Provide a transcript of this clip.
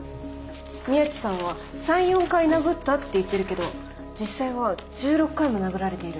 宮地さんは３４回殴ったって言ってるけど実際は１６回も殴られている。